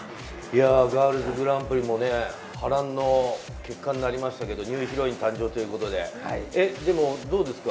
ガールズグランプリも波乱の結果になりましたけど、ニューヒロイン誕生ということでどうですか？